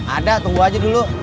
ada tunggu aja dulu